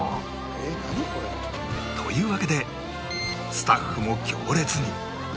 というわけでスタッフも行列に